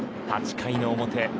８回の表。